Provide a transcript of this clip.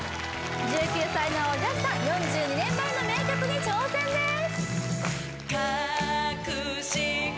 １９歳のおじゃすさん４２年前の名曲に挑戦です